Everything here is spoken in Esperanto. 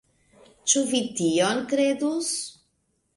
Ĉu vi tion kredus!